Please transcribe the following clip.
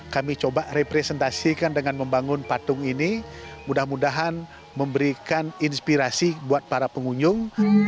kami coba representasikan dengan membangun patung ini mudah mudahan memberikan inspirasi buat para pengunjung